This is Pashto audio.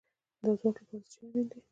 د ځواک لپاره څه شی اړین دی؟